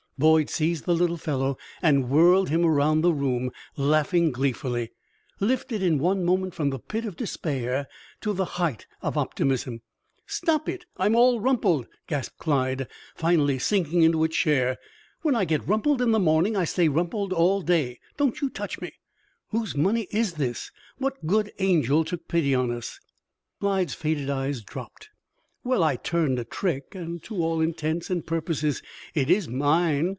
Boyd seized the little fellow and whirled him around the room, laughing gleefully, lifted in one moment from the pit of despair to the height of optimism. "Stop it! I'm all rumpled!" gasped Clyde, finally, sinking into a chair "When I get rumpled in the morning I stay rumpled all day. Don't you touch me!" "Whose money is this? What good angel took pity on us?" Clyde's faded eyes dropped. "Well, I turned a trick, and to all intents and purposes it is mine.